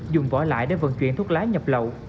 dùng vỏ lại để vận chuyển thuốc lá nhập lậu